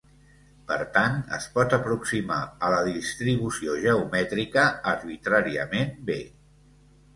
Per tant, es pot aproximar a la distribució geomètrica arbitràriament bé.